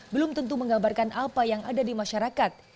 belum tentu menggambarkan apa yang ada di masyarakat